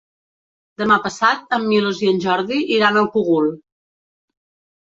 Demà passat en Milos i en Jordi iran al Cogul.